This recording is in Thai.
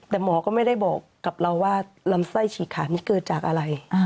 แต่หมอก็ไม่ได้บอกกับเราว่าลำไส้ฉีกขาดนี่เกิดจากอะไร